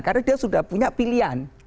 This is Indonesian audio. karena dia sudah punya pilihan